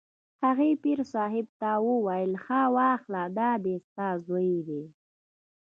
هغې پیر صاحب ته وویل: ها واخله دا دی ستا زوی دی.